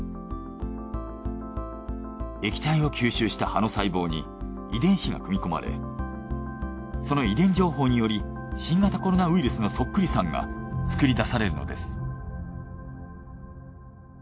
液体を吸収した葉の細胞に遺伝子が組み込まれその遺伝情報により新型コロナウイルスのそっくりさんが作り出されるのです。